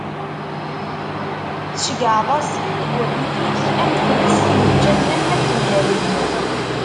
Tceggɛeḍ-asen-d urrif-ik am tmes, ičča-ten am wakken d alim.